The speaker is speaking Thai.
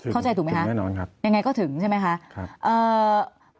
เข้าใจถูกไหมคะยังไงก็ถึงใช่ไหมคะครับถูกแน่นอนครับ